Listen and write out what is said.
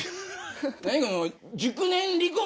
何この。